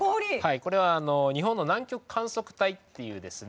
これはあの日本の南極観測隊っていうですね